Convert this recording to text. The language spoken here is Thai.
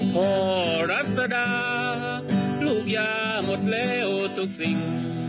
รัศดาลูกยาหมดแล้วทุกสิ่ง